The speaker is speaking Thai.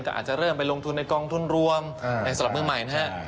ก็อาจจะเริ่มไปลงทุนในกองทุนรวมในสำหรับมือใหม่นะฮะ